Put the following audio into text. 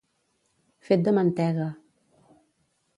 Fet de mantega.